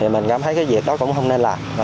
mình cảm thấy việc đó cũng không nên làm